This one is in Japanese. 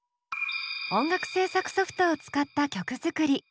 音楽制作ソフトを使った曲作り。